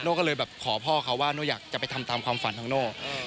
ก็เลยแบบขอพ่อเขาว่าโน่อยากจะไปทำตามความฝันของโน่